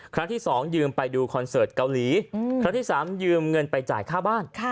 ครั้งที่๒ยืมไปดูคอนเสิร์ตเกาหลีครั้งที่๓ยืมเงินไปจ่ายค่าบ้าน